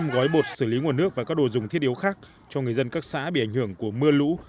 hai bốn trăm linh gói bột xử lý nguồn nước và các đồ dùng thiết yếu khác cho người dân các xã bị ảnh hưởng của mưa lũ